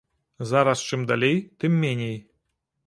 Зараз чым далей, тым меней.